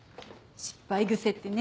失敗癖ってね